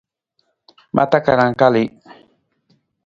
Ma takarang kalii.